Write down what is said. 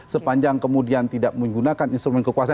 sepanjang kemudian tidak menggunakan instrumen kekuasaan